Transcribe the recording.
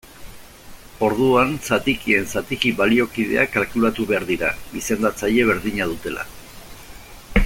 Orduan, zatikien zatiki baliokideak kalkulatu behar dira, izendatzaile berdina dutela.